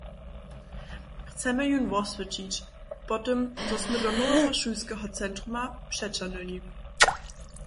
Chcemy jón woswjećić, po tym zo smy do noweho šulskeho centruma přećahnyli.